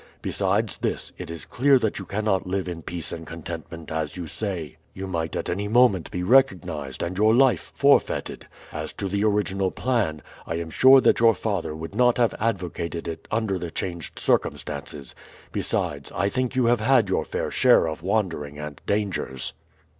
Besides this, it is clear that you cannot live in peace and contentment as you say; you might at any moment be recognized and your life forfeited. As to the original plan, I am sure that your father would not have advocated it under the changed circumstances; besides, I think you have had your fair share of wandering and dangers.